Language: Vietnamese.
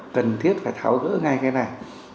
cần thiết phải tháo gỡ ngay cái này